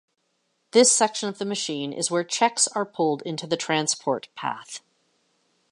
This section of the machine is where cheques are pulled into the transport path.